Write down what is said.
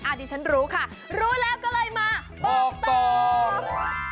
อันนี้ฉันรู้ค่ะรู้แล้วก็เลยมาบอกต่อ